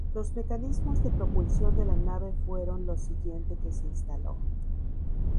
Los mecanismos de propulsión de la nave fueron lo siguiente que se instaló.